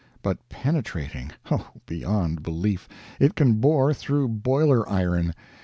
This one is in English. But penetrating oh, beyond belief; it can bore through boiler iron.